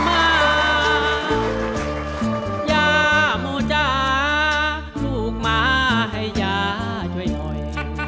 มายามูจ้าลูกม้าให้ยาช่วยหน่อย